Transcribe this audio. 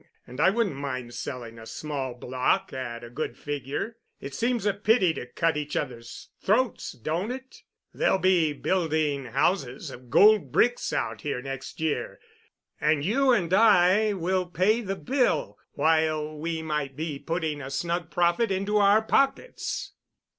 And I wouldn't mind selling a small block at a good figure. It seems a pity to cut each other's throats, don't it? They'll be building houses of gold bricks out here next year, and you and I will pay the bill—while we might be putting a snug profit into our pockets."